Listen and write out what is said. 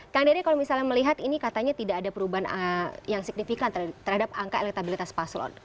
kang dede kalau misalnya melihat ini katanya tidak ada perubahan yang signifikan terhadap angka elektabilitas paslon